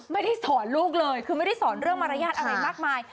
ไม่ได้สอนลูกเลยคือไม่ได้สอนเรื่องมารยาทอะไรมากมาย